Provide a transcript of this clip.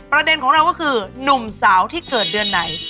ประเด็นของเราก็คือหนุ่มสาวที่เกิดเดือนไหน